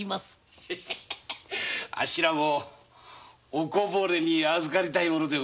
あっしらもおこぼれに預かりたいもので。